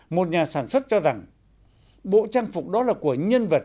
một nhà sản xuất cho rằng bộ trang phục đó là của nhân vật